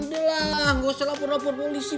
udah lah gak usah lapor lapor polisi